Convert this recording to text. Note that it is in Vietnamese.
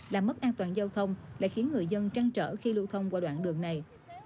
làm mất an toàn giao thông lại khiến người dân trăn trở khi lưu thông qua đoạn đường này